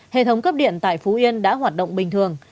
hệ thống cấp điện tại phú yên đã hoạt động bình thường